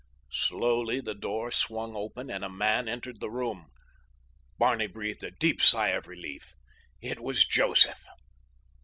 Slowly the door swung open and a man entered the room. Barney breathed a deep sigh of relief—it was Joseph.